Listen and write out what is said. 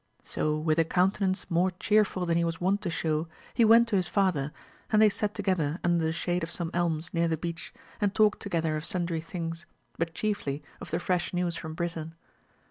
So with a countenance more chearful than he was wont to show, he went to his father, and they sat together under the shade of some elms near the beach, and talked together of sundry things, but AMADIS OF GAUL, 203 chiefly of the fresh news from Britain.